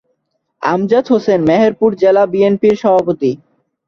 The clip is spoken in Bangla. আমজাদ হোসেন মেহেরপুর জেলা বিএনপির সভাপতি।